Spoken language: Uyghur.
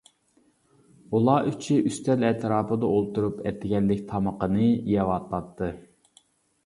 ئۇلار ئۈچى ئۈستەل ئەتراپىدا ئولتۇرۇپ ئەتىگەنلىك تامىقىنى يەۋاتاتتى.